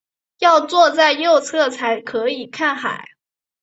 要坐在右侧才可以看海